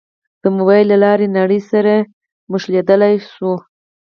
د موبایل له لارې نړۍ سره نښلېدای شو.